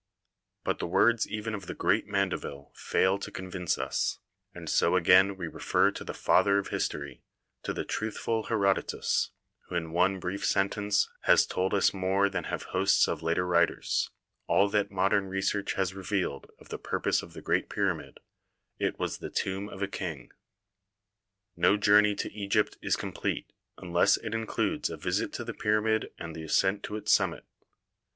But the words even of the great Mandeville fail to convince us, and so again we refer to the Father of History, to the truthful Herodotus, who in one brief sentence has told us more than have hosts of later writers, all that modern research has re vealed of the purpose of the great pyramid: "It was the tomb of a king." No journey to Egypt is complete unless it in cludes a visit to the pyramid and the ascent to its summit.